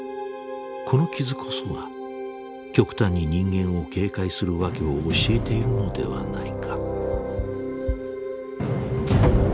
この傷こそが極端に人間を警戒する訳を教えているのではないか。